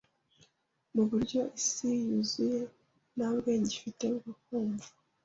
Muburyo Isi yuzuye nta bwenge ifite bwo kumva